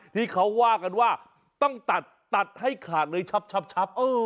ที่เขาว่ากันว่าต้องตัดตัดให้ขาดเลยชับ